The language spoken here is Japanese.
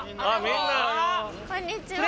こんにちは。